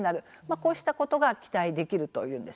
こうしたことが期待できるというんです。